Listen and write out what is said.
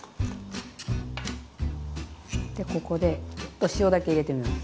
でここでちょっと塩だけ入れてみます。